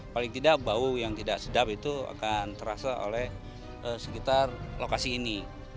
paling tidak bau yang tidak sedap itu akan terasa oleh sekitar lokasi ini